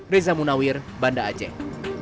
reza munawir banda aceh